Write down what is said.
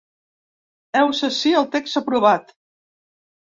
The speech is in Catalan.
Heus ací el text aprovat.